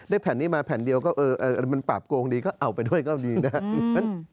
แผ่นนี้มาแผ่นเดียวก็เออมันปราบโกงดีก็เอาไปด้วยก็ดีนะครับ